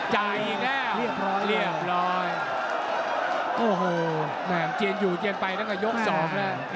เจียนอยู่เจียนไปตั้งแต่ยกสองแล้ว